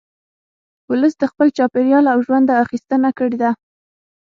ولس د خپل چاپېریال او ژونده اخیستنه کړې ده